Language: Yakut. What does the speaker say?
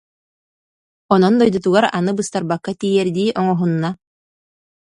Онон дойдутугар аны быстарбакка тиийэрдии оҥоһунна